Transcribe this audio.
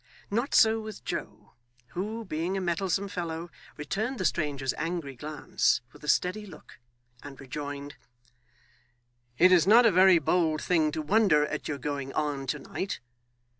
Not so with Joe, who, being a mettlesome fellow, returned the stranger's angry glance with a steady look, and rejoined: 'It is not a very bold thing to wonder at your going on to night.